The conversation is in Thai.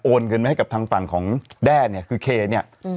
เงินไว้ให้กับทางฝั่งของแด้เนี่ยคือเคเนี่ย